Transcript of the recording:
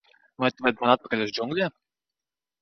Vai tu ved mani atpakaļ uz Džungļiem?